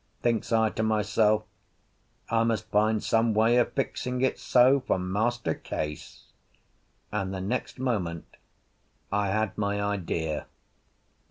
Thinks I to myself, "I must find some way of fixing it so for Master Case." And the next moment I had my idea.